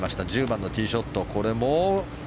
１０番のティーショット。